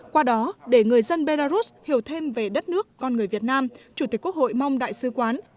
qua đó để người dân belarus hiểu thêm về đất nước con người việt nam chủ tịch quốc hội mong đại sứ quán